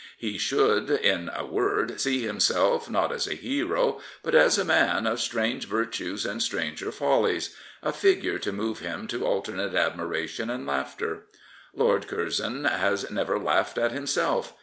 He should, in a word, see himself not as a hero, but as a man of strange virtues and stranger follies, a figure to move him to alternate admiration and laughter. Lord Curzon has never laughed at himself.